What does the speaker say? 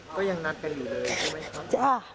ก็ยังนัดกันอยู่เลยใช่ไหมครับ